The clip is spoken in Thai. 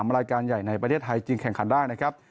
รายการใหญ่ในประเทศไทยจึงแข่งขันได้นะครับ